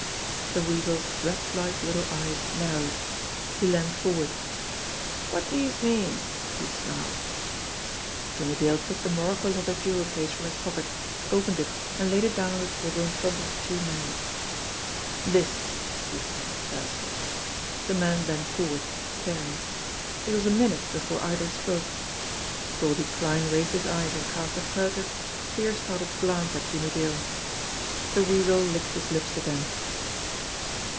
The Weasel's rat like little eyes narrowed. He leaned forward. "Wot do youse mean ?" he snarled. Jimmie Dale took the morocco leather jewel case from his pocket, opened it, and laid it down on the table in front of the two men. "This !" he said tersely. The men bent forward, staring. It was a minute before either spoke. Goldie Kline raised his eyes and cast a fur tive, fear startled glance at Jimmie Dale. The Weasel licked his lips again.